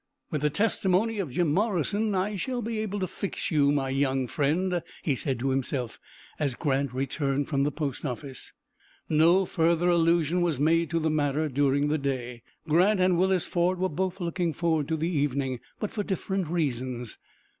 "With the testimony of Jim Morrison I shall be able to fix you, my young friend," he said to himself, as Grant returned from the post office. No further allusion was made to the matter during the day. Grant and Willis Ford were both looking forward to the evening, but for different reasons.